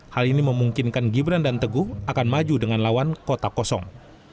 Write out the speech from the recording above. hal ini memungkinkan gibran dan teguh akan maju dengan lawan kota kosong